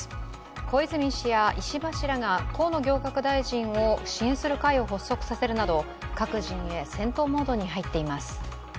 小泉氏や石破氏らが河野行革大臣を支援する会を発足させるなど、各陣営、戦闘モードに入っています。